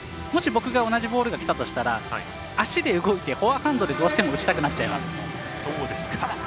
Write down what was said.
もし僕が同じボールがきたとしたら足で動いてフォアハンドで、どうしても打ちたくなっちゃいます。